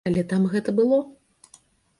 Але там гэта было.